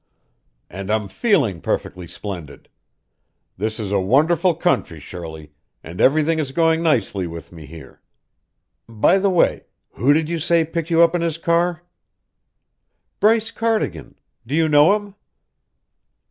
"And I'm feeling perfectly splendid. This is a wonderful country, Shirley, and everything is going nicely with me here. By the way, who did you say picked you up in his car?" "Bryce Cardigan. Do you know him?"